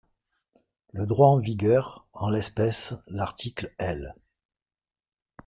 Le droit en vigueur, en l’espèce l’article L.